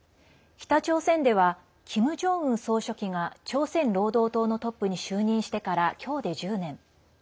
北朝鮮ではキム・ジョンウン総書記が朝鮮労働党のトップに就任してからきょうで１０年。